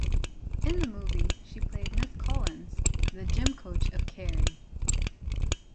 In the movie, she played “Miss Collins”, the gym coach of “Carrie”.